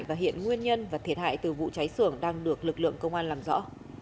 và hiện nguyên nhân và thiệt hại từ vụ cháy sưởng đang được lực lượng công an làm rõ